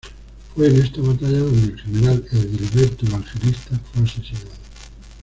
Fue en esta batalla donde el general Edilberto Evangelista fue asesinado.